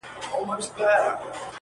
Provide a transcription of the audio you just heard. • پر دې دنیا یې حوري نصیب سوې -